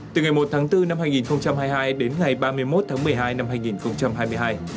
từ ngày một tháng bốn năm hai nghìn hai mươi hai đến ngày ba mươi một tháng một mươi hai năm hai nghìn hai mươi hai